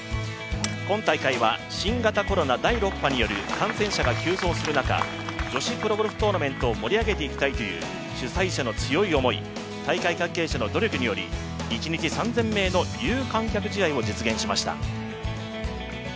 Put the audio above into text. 今大会は新型コロナ第６波による感染者が急増する中女子プロゴルフトーナメントを盛り上げていきたいという主催者の強い思い大会関係者の努力により一日３０００名の有観客試合を実現しました。